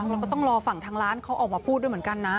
เราก็ต้องรอฝั่งทางร้านเขาออกมาพูดด้วยเหมือนกันนะ